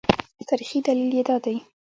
تاریخي دلیل یې دا دی.